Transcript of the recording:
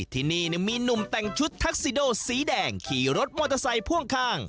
ที่นี่มีหนุ่มแต่งชุดทักซิโดสีแดงขี่รถมอเตอร์ไซค์พ่วงข้าง